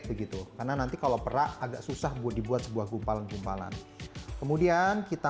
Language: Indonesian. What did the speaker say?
begitu karena nanti kalau perak agak susah buat dibuat sebuah gumpalan gumpalan kemudian kita